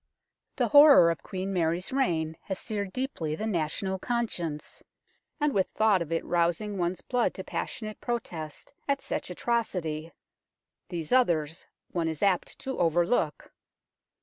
The horror of Queen Mary's reign has seared deeply the national conscience, and with thought of it rousing one's blood to passionate protest at such atrocity, these others one is apt to overlook.